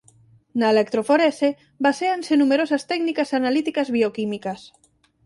Na electroforese baséanse numerosas técnicas analíticas bioquímicas.